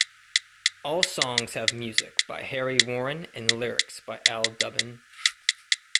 All songs have music by Harry Warren and lyrics by Al Dubin.